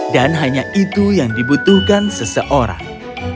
dan hanya itu yang dibutuhkan seseorang